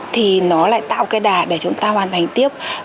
thì nó lại tạo cái đà để chúng ta hoàn thành tiếp